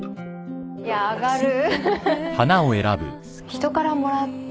いや上がる！